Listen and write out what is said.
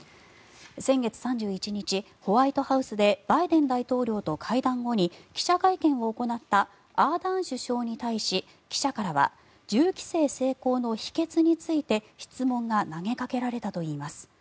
先月３１日、ホワイトハウスでバイデン大統領と会談後に、記者会見を行ったアーダーン首相に対し記者からは銃規制成功の秘けつについて質問が投げかけられたといいます。